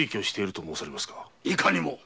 いかにも。